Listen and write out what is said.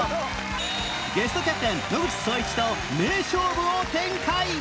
ゲストキャプテン野口聡一と名勝負を展開